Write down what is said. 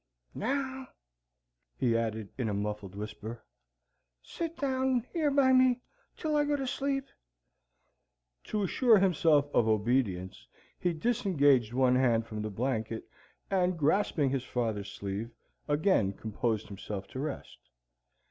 Now," he added in a muffled whisper, "sit down yer by me till I go asleep." To assure himself of obedience, he disengaged one hand from the blanket and, grasping his father's sleeve, again composed himself to rest.